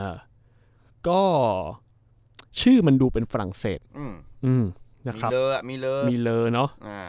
อ่าก็ชื่อมันดูเป็นฝรั่งเศสอืมอืมนะครับ